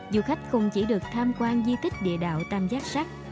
du khách không chỉ được tham quan di tích địa đạo tam giác sắc